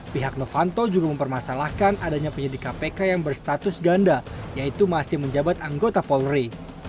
pihak novanto juga mempermasalahkan adanya penyidik kpk yang berstatus ganda yaitu masih menjabat anggota polri